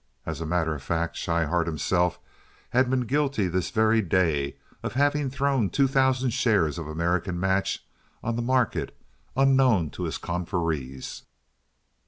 As a matter of fact, Schryhart himself had been guilty this very day of having thrown two thousand shares of American Match on the market unknown to his confreres.